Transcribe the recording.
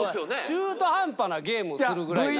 中途半端なゲームをするぐらいなら。